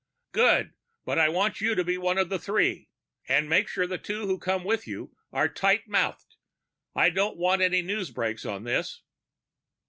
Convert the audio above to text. "Good. But I want you to be one of the three. And make sure the two who come with you are tight mouthed. I don't want any newsbreaks on this."